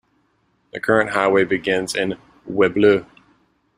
The current highway begins in Weableau.